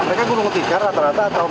mereka gunung tikar rata rata atau